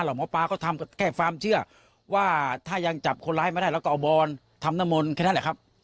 หมอปลาก็ทำแค่ความเชื่อว่าถ้ายังจับคนร้ายไม่ได้เราก็เอาบอนทำน้ำมนต์แค่นั้นแหละครับ